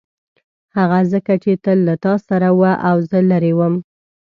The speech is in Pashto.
هغه ځکه چې تل له تا سره و او زه لیرې وم.